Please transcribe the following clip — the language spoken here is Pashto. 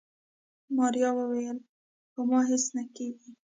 ماريا وويل په ما هيڅ نه کيږي.